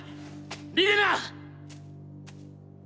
リレナ！